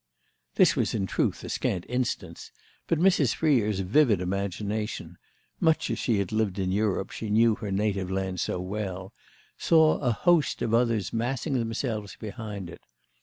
This was in truth a scant instance; but Mrs. Freer's vivid imagination—much as she had lived in Europe she knew her native land so well—saw a host of others massing themselves behind it.